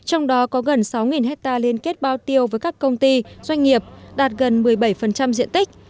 trong đó có gần sáu hectare liên kết bao tiêu với các công ty doanh nghiệp đạt gần một mươi bảy diện tích